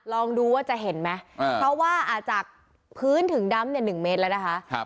ลองดูว่าจะเห็นไหมเพราะว่าจากพื้นถึงดำเนี่ย๑เมตรแล้วนะคะ